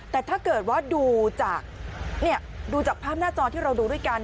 แต่ถ้าเกิดว่าดูจากดูจากภาพหน้าจอที่เราดูด้วยกัน